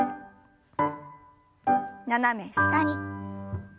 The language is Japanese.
斜め下に。